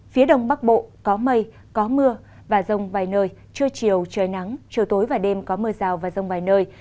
phía đông bắc bộ có mây có mưa và rông vài nơi trưa chiều trời nắng chiều tối và đêm có mưa rào và rông vài nơi